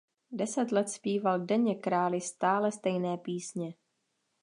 Deset let zpíval denně králi stále stejné písně.